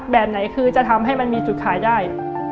แบบไหนคือจะทำให้มันมีจุดขายได้